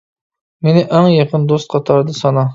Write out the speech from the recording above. مېنى ئەڭ يېقىن دوست قاتارىدا سانا.